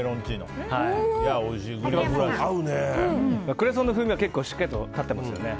クレソンの風味がしっかり立ってますよね。